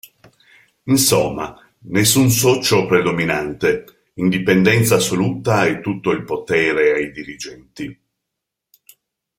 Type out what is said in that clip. Insomma, nessun socio predominante, indipendenza assoluta e tutto il potere ai dirigenti.